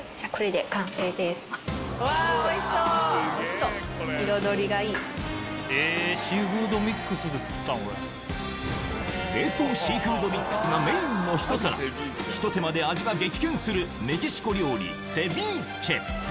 たっぷりあとは冷凍シーフードミックスがメインのひと皿ひと手間で味が激変するメキシコ料理ウフフ。